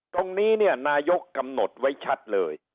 ตรงนี้เนี่ยนายกกำหนดไว้ชัดเลย